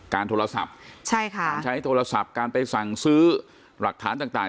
การโทรศัพท์ใช้โทรศัพท์การไปสั่งซื้อหลักฐานต่าง